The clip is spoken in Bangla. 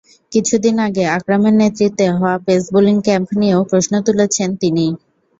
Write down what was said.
কিছুদিন আগে আকরামের নেতৃত্বে হওয়া পেস বোলিং ক্যাম্প নিয়েও প্রশ্ন তুলেছেন তিনি।